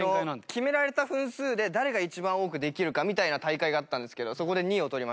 決められた分数で誰が一番多くできるかみたいな大会があったんですけどそこで２位を取りました。